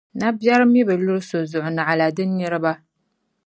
Nabεri mi bi luri so zuɣu naɣila di niriba.